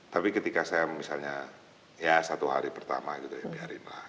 tapi ketika saya misalnya ya satu hari pertama ya biarinlah